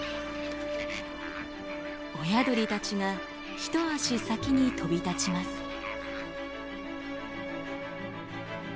親鳥たちが一足先に飛び立ちます。